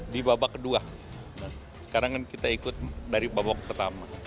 di babak kedua sekarang kan kita ikut dari babak pertama